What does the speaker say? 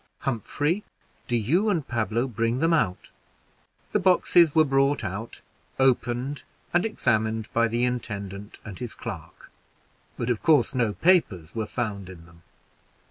Humphrey, do you and Pablo bring them out." The boxes were brought out, opened, and examined by the intendant and his clerk, but of course no papers were found in them.